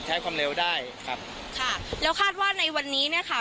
ใช้ความเร็วได้ครับค่ะแล้วคาดว่าในวันนี้เนี้ยค่ะ